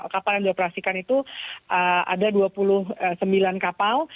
kapal yang dioperasikan itu ada dua puluh sembilan kapal